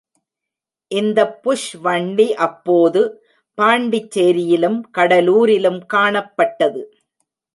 இந்தப் புஷ் வண்டி அப்போது, பாண்டிச்சேரியிலும் கடலூரிலும் காணப்பட்டது.